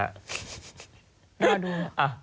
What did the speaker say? น่าดู